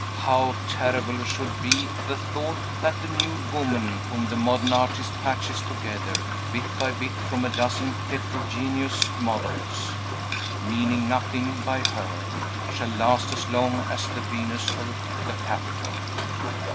How terrible should be the thought that the nude woman whom the modern artist patches together, bit by bit, from a dozen heterogeneous models, meaning nothing by her, shall last as long as the Venus of the Capitol!